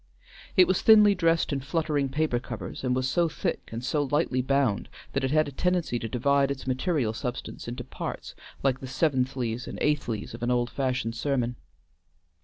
It was thinly dressed in fluttering paper covers, and was so thick and so lightly bound that it had a tendency to divide its material substance into parts, like the seventhlies and eighthlies of an old fashioned sermon.